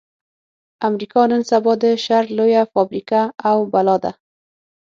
امريکا نن سبا د شر لويه فابريکه او بلا ده.